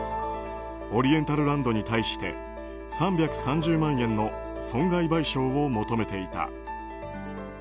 オリエンタルランドに対して３３０万円の損害賠償を求めていた。